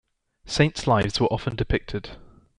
Saints' lives were often depicted.